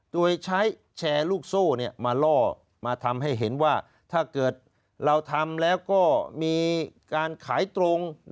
โดยใช้แชร์ลูกโซ่มาล่อมาทำให้เห็นว่าถ้าเกิดเราทำแล้วก็มีการขายตรง